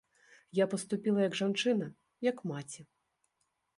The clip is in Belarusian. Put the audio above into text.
Я паступіла як жанчына, як маці.